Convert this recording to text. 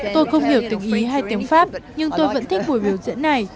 tôi không hiểu tình ý hay tiếng pháp nhưng tôi vẫn thích buổi biểu diễn này